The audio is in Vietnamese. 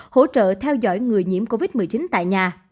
hỗ trợ theo dõi người nhiễm covid một mươi chín tại nhà